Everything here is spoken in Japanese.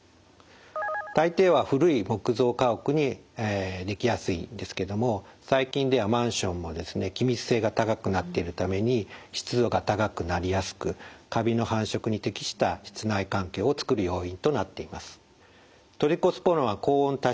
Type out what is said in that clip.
大抵は古い木造家屋に出来やすいんですけども最近ではマンションも気密性が高くなっているために湿度が高くなりやすくカビの繁殖に適した室内環境をつくる要因となっています。